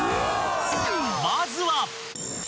［まずは］